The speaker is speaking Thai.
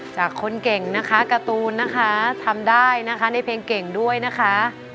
พร้อมกันพยายามสุขไม่ต้องสู้พร้อมกันพยายาม